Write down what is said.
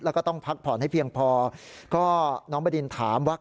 แล้วก็ต้องพักผ่อนให้เพียงพอก็น้องบดินถามว่า